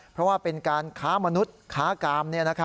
เพราะว่าเป็นการค้ามนุษย์ค้ากาม